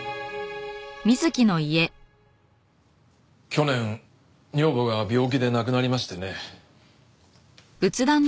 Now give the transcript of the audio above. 去年女房が病気で亡くなりましてね。